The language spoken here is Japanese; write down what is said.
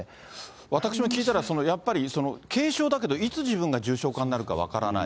私も聞いたら、やっぱり軽症だけどいつ自分が重症化になるか分からない。